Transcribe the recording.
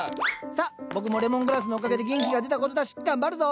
さあ僕もレモングラスのおかげで元気が出た事だし頑張るぞ！